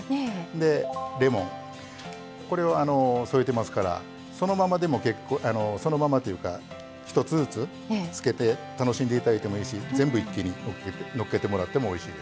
でレモンこれを添えてますからそのままでも結構そのままというか１つずつつけて楽しんでいただいてもいいし全部一気にのっけてもらってもおいしいです。